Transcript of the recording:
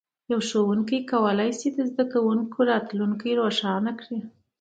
یو ښه ښوونکی کولی شي د زده کوونکي راتلونکی روښانه کړي.